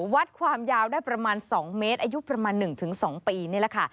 วัดความยาวได้ประมาณ๒เมตรอายุประมาณ๑๒ปีนี่แหละค่ะ